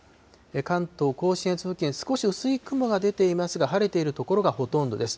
関東甲信越付近、少し薄い雲が出ていますが、晴れている所がほとんどです。